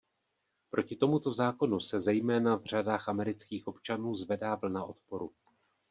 Proti tomuto zákonu se zejména v řadách amerických občanů zvedá vlna odporu.